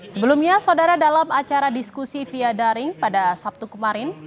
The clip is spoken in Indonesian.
sebelumnya saudara dalam acara diskusi via daring pada sabtu kemarin